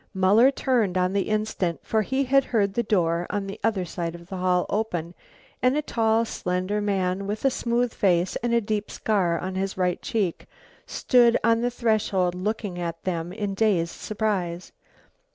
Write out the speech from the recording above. Muller turned on the instant, for he had heard the door on the other side of the hall open, and a tall slender man with a smooth face and a deep scar on his right cheek stood on the threshold looking at them in dazed surprise.